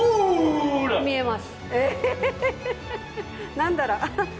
何だろう？